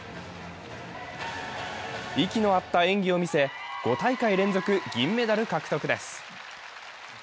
息の合った演技を見せ５大会連続銀メダル獲得です。